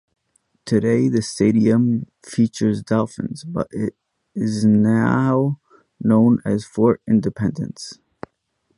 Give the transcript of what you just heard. Today, the stadium features dolphins but is now known as Fort Independence.